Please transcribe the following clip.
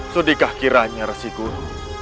sudikah kiranya rasigur